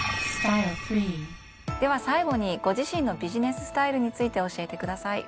では最後にご自身のビジネススタイルについて教えてください。